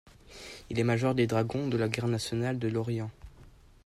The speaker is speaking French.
Il est major des dragons de la garde nationale de Lorient.